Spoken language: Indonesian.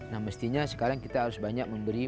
nah mestinya sekarang kita harus banyak memberi